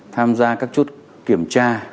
tham gia các chút kiểm tra